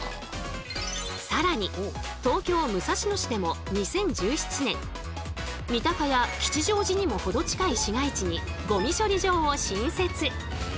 更に東京・武蔵野市でも２０１７年三鷹や吉祥寺にも程近い市街地にゴミ処理場を新設。